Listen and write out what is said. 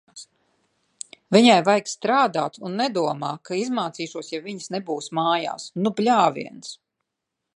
Viņai vajag strādāt un nedomā, ka izmācīšos, ja viņas nebūs mājās. Nu bļāviens!